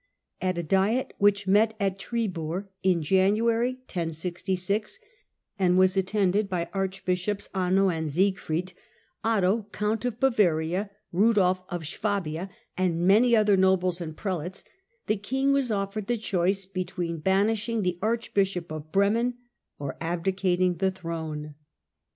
At a diet which met at Tribur in January, 1066, and was attended by archbishops Anno and Siegfried, Otto, count of Bavaria, Eudolf of Swabia, and many other nobles and prefetes, the king was offered the choice between banishing the archbishop of Bremen or abdicating the throne.